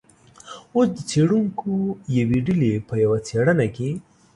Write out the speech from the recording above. اوس د څیړونکو یوې ډلې په یوه څیړنه کې